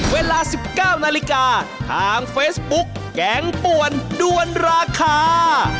เวลา๑๙นาฬิกาทางเฟซบุ๊กแกงป่วนด้วนราคา